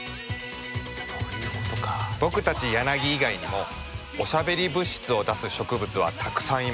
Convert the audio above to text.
僕たちヤナギ以外にもおしゃべり物質を出す植物はたくさんいます。